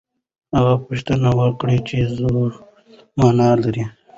هغه پوښتنه وکړه چې زور څه مانا لري.